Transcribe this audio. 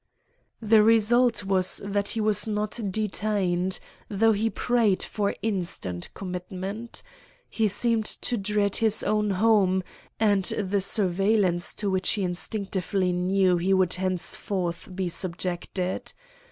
The result was that he was not detained, though he prayed for instant commitment. He seemed to dread his own home, and the surveillance to which he instinctively knew he would henceforth be subjected.